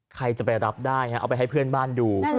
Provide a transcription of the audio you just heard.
ใครจะไปรับได้เอาไปให้เพื่อนบ้านดู